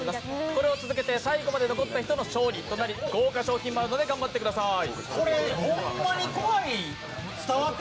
これを続けて最後まで残った人の勝利となり、豪華賞品もあるので頑張ってください！